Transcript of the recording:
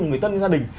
một người thân gia đình